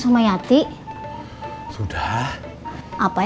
tak sudah tau